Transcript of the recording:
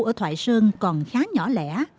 ở thoại sơn còn khá nhỏ lẻ